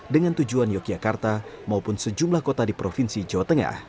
dengan tujuan yogyakarta maupun sejumlah kota di provinsi jawa tengah